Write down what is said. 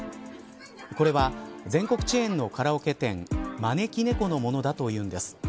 これは全国チェーンのカラオケ店まねきねこのものだというんです。